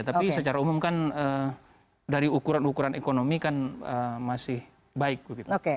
tapi secara umum kan dari ukuran ukuran ekonomi kan masih baik begitu